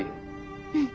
うん。